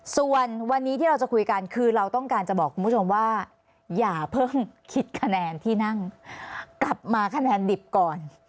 ส่วนวันนี้ที่เราจะคุยกันคือเราต้องการจะบอกคุณผู้ชมว่าอย่าเพิ่งคิดคะแนนที่นั่งกลับมาคะแนนดิบก่อน